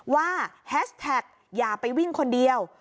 แฮชแท็กอย่าไปวิ่งคนเดียว